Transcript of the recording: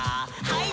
はい。